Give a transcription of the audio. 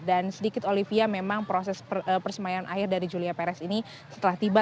dan sedikit olivia memang proses persemayaman air dari julia perez ini setelah tiba